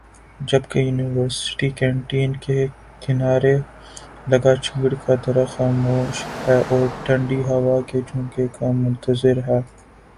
جبکہ university canteen کے کنارے لگا چیڑ کا درخت خاموش ہےاور ٹھنڈی ہوا کے جھونکوں کا منتظر ہے